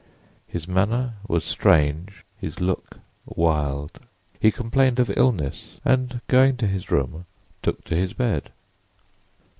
His manner was strange, his look wild. He complained of illness, and going to his room took to his bed.